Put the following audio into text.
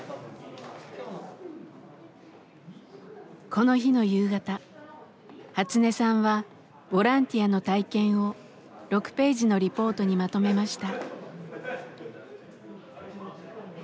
この日の夕方ハツネさんはボランティアの体験を６ページのリポートにまとめました。